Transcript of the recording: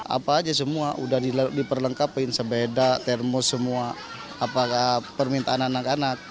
apa saja semua sudah diperlengkapkan sepeda termos semua permintaan anak anak